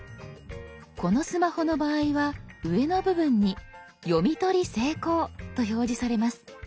このスマホの場合は上の部分に「読み取り成功」と表示されます。